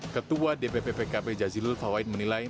ketua dpp pkp jazilul fawain menilai